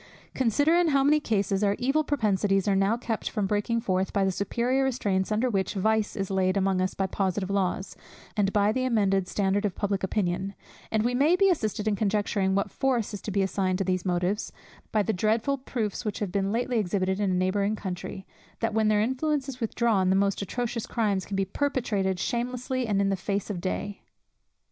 Consider in how many cases our evil propensities are now kept from breaking forth, by the superior restraints under which vice is laid among us by positive laws, and by the amended standard of public opinion; and we may be assisted in conjecturing what force is to be assigned to these motives, by the dreadful proofs which have been lately exhibited in a neighbouring country, that when their influence is withdrawn, the most atrocious crimes can be perpetrated shamelessly and in the face of day.